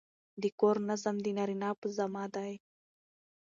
د کور نظم د نارینه په ذمه دی.